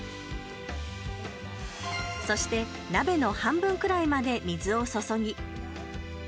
そして鍋の半分くらいまで水を注ぎ。